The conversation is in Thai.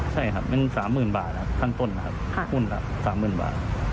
ใช่ครับมัน๓๐๐๐๐บาทครับทั้งต้นครับหุ้นครับ๓๐๐๐๐บาท